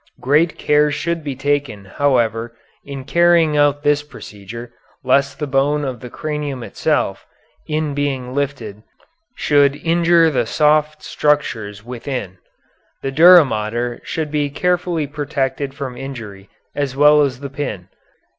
Great care should be taken, however, in carrying out this procedure lest the bone of the cranium itself, in being lifted, should injure the soft structures within. The dura mater should be carefully protected from injury as well as the pin.